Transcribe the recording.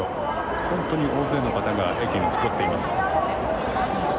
本当に大勢の方が駅に集っています。